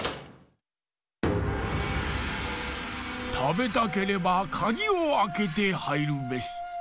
たべたければかぎをあけてはいるべし。